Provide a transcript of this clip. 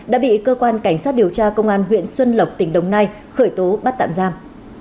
đã bị cơ quan cảnh sát điều tra công an huyện xuân lộc tỉnh đồng nai khởi tố bắt tạm giam